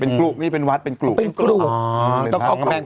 เป็นกลุ่มนี่เป็นวัดเป็นกลุ่ม